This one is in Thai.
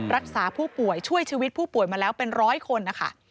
รักษาผู้ป่วยช่วยชีวิตผู้ป่วยมาแล้วเป็นร้อยคนนะคะ